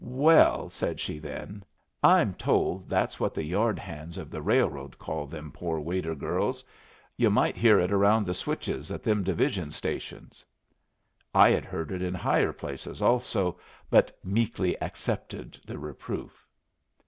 "Well," said she then, "I'm told that's what the yard hands of the railroad call them poor waiter girls. You might hear it around the switches at them division stations." I had heard it in higher places also, but meekly accepted the reproof.